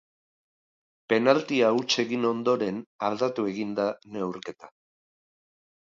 Penaltia huts egin ondoren, aldatu egin da neurketa.